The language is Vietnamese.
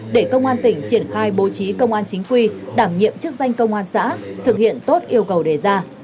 để công an tỉnh triển khai bố trí công an chính quy đảm nhiệm chức danh công an xã thực hiện tốt yêu cầu đề ra